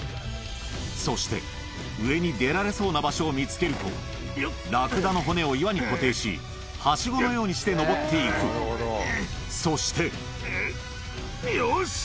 そして上に出られそうな場所を見つけるとラクダの骨を岩に固定しハシゴのようにして登って行くそしてよし！